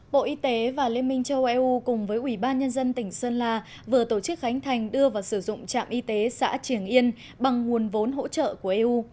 bộ y tế và liên minh châu eu cùng với ủy ban nhân dân tỉnh sơn la vừa tổ chức khánh thành đưa vào sử dụng trạm y tế xã triềng yên bằng nguồn vốn hỗ trợ của eu